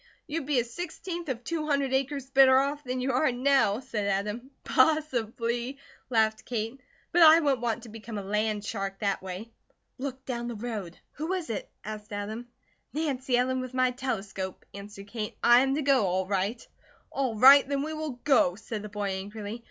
"You'd be a sixteenth of two hundred acres better off than you are now," said Adam. "Possibly," laughed Kate, "but I wouldn't want to become a land shark that way. Look down the road." "Who is it?" asked Adam. "Nancy Ellen, with my telescope," answered Kate. "I am to go, all right." "All right, then we will go," said the boy, angrily.